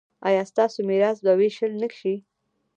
ایا ستاسو میراث به ویشل نه شي؟